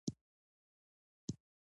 په افغانستان کې ژبې په پراخه کچه شتون لري.